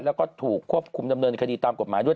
แล้วก็ถูกควบคุมดำเนินคดีตามกฎหมายด้วย